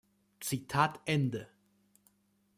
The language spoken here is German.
Zitat Ende.